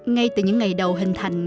ngay từ những ngày đầu hình thành